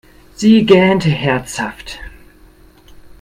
Sie gähnte herzhaft.